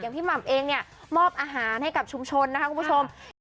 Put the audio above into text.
พี่หม่ำเองเนี่ยมอบอาหารให้กับชุมชนนะคะคุณผู้ชม